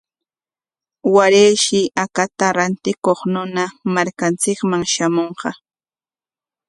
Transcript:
Warayshi hakata rantikuq runa markanchikman shamunqa.